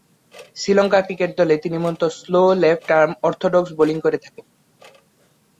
Sri Lanka cricket দলে তিনি মূলতঃ slow left arm orthodox bowling করে থাকেন।